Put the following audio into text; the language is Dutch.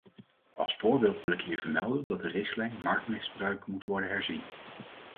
Als voorbeeld wil ik hier vermelden dat de richtlijn marktmisbruik moet worden herzien.